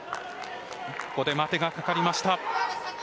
ここで待てがかかりました。